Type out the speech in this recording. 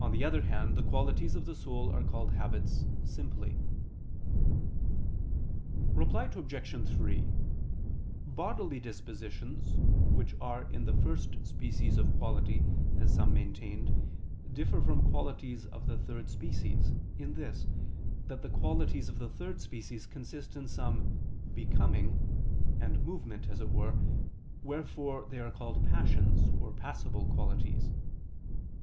On the other hand, the qualities of the soul are called habits simply. Reply Obj. 3: Bodily dispositions which are in the first species of quality, as some maintained, differ from qualities of the third species, in this, that the qualities of the third species consist in some "becoming" and movement, as it were, wherefore they are called passions or passible qualities.